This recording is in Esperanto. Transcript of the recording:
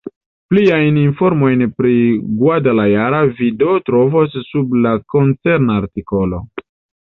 Pliajn informojn pri Guadalajara vi do trovos sub la koncerna artikolo.